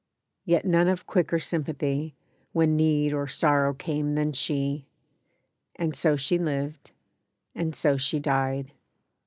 Yet none of quicker sympathy, When need or sorrow came, than she. And so she lived, and so she died.